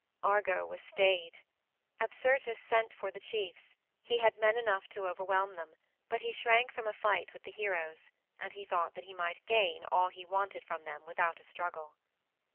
Argo was stayed. Apsyrtus sent for the chiefs; he had men enough to overwhelm them, but he shrank from a fight with the heroes, and he thought that he might gain all he wanted from them without a struggle.